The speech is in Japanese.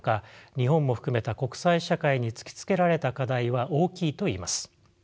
日本も含めた国際社会に突きつけられた課題は大きいといえます。